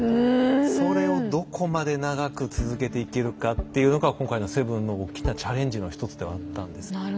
それをどこまで長く続けていけるかっていうのが今回の「７」の大きなチャレンジの一つではあったんです。